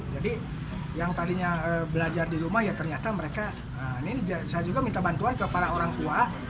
jadi yang tadinya belajar di rumah ya ternyata mereka saya juga minta bantuan kepada orang tua